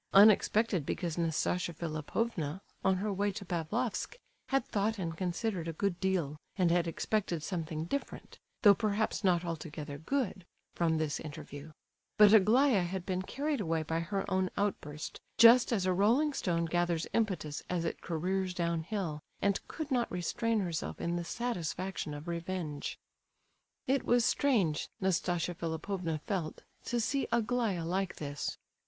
Unexpected because Nastasia Philipovna, on her way to Pavlofsk, had thought and considered a good deal, and had expected something different, though perhaps not altogether good, from this interview; but Aglaya had been carried away by her own outburst, just as a rolling stone gathers impetus as it careers downhill, and could not restrain herself in the satisfaction of revenge. It was strange, Nastasia Philipovna felt, to see Aglaya like this.